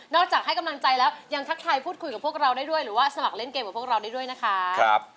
จากให้กำลังใจแล้วยังทักทายพูดคุยกับพวกเราได้ด้วยหรือว่าสมัครเล่นเกมกับพวกเราได้ด้วยนะคะ